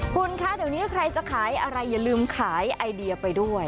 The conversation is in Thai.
คุณคะเดี๋ยวนี้ใครจะขายอะไรอย่าลืมขายไอเดียไปด้วย